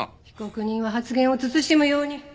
被告人は発言を慎むように。